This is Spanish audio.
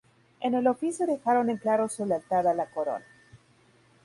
En el oficio dejaron en claro su lealtad a la corona.